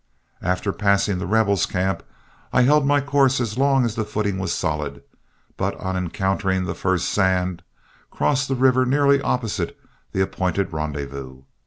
After passing The Rebel's camp, I held my course as long as the footing was solid, but on encountering the first sand, crossed the river nearly opposite the appointed rendezvous.